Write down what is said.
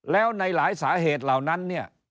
แล้วในหลายสาเหตุเหล่านั้นเนี่ย